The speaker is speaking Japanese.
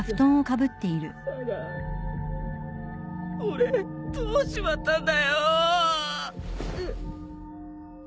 俺どうしちまったんだよ。